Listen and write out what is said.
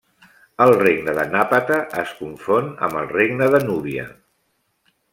El regne de Napata es confon amb el regne de Núbia.